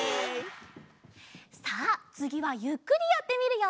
さあつぎはゆっくりやってみるよ！